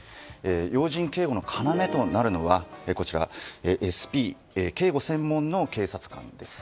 要人警護の要となるのは、ＳＰ警護専門の警察官です。